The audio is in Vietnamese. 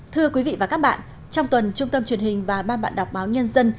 thưa quý vị và các bạn trong tuần trung tâm truyền hình và ban bạn đọc báo nhân dân